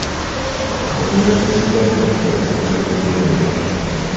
Buvunaanyizibwa bwaffe okukuuma obuyonjo.